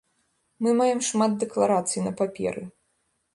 Мы маем шмат дэкларацый на паперы.